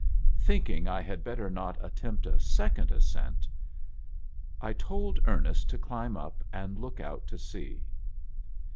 Thinking I had better not attempt a second ascent, I told Ernest to climb up and look out to sea.